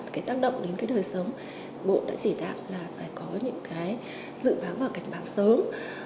cái tác động đến cái đời sống bộ đã chỉ đạo là phải có những cái dự báo và cảnh báo sớm